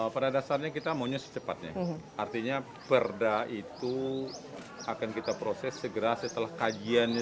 pada dasarnya kita maunya secepatnya artinya perda itu akan kita proses segera setelah kajiannya